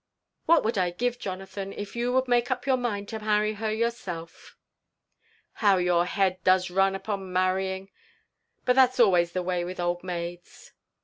What would I givd, Jonathan, if you would make up your mind to mafry hef yourself !"'* How your head does run upon marrying ! But that's always the way with old maids!"